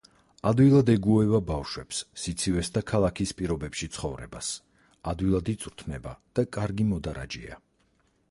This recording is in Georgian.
ადვილად ეგუება ბავშვებს, სიცივეს და ქალაქის პირობებში ცხოვრებას, ადვილად იწვრთნება და კარგი მოდარაჯეა.